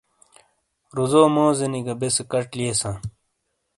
روزو موزینی گہ بیسے کچ لِیساں ۔